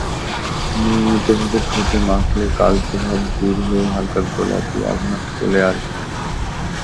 নিয়মিতভাবে ঠোঁটে মাখলে কালচে ভাব দূর হয়ে হালকা গোলাপি আভা চলে আসবে।